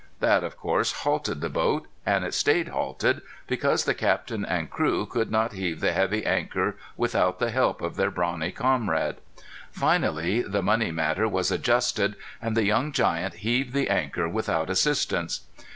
That of course halted the boat, and it stayed halted, because the captain and crew could not heave the heavy anchor without the help of their brawny comrade. Finally the money matter was adjusted, and the young giant heaved the anchor without assistance.